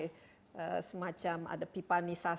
wheel brit agak lebih resistensi